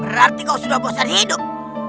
berarti kau sudah bosan hidup